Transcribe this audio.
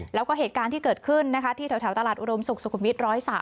แล้วก็เหตุการณ์ที่เกิดขึ้นนะคะที่แถวตลาดอุดมศุกร์สุขุมวิท๑๐๓